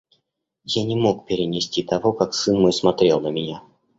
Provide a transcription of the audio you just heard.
Я не мог перенести того, как сын мой смотрел на меня.